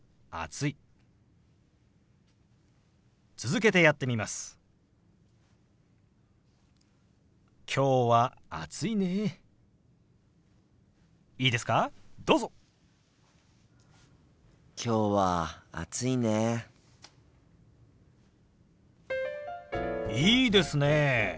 いいですね。